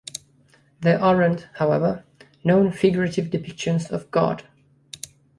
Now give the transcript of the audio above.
There aren't, however, known figurative depictions of God.